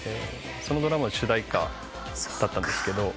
そのドラマの主題歌だったんです。